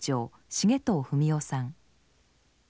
重藤文夫さん。